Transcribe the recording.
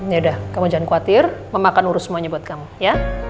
yaudah kamu jangan khawatir mama akan urus semuanya buat kamu ya